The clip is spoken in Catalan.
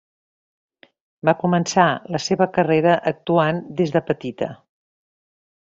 Va començar la seva carrera actuant des de petita.